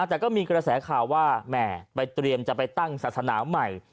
แต่ก็มีกระแสข่าวว่าแหม่ไปเตรียมจะไปตั้งศาสนาใหม่